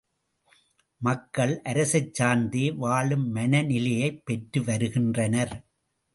மக்கள் அரசைச் சார்ந்தே வாழும் மனநிலையைப் பெற்று வருகின்றனர்.